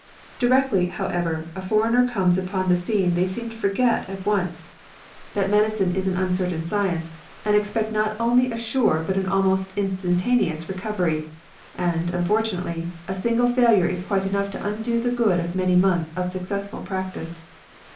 Directly, however, a foreigner comes upon the scene they seem to forget at once that medicine is an MEDICAL SCIENCE. 37 uncertain science, and expect not only a sure but an almost instantaneous recovery ; and, unfortunately, a single failure is quite enough to undo the good of many months of successful practice.